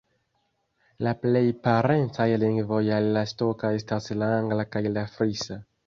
La plej parencaj lingvoj al la skota estas la angla kaj la frisa.